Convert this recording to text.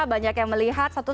banyak yang melihat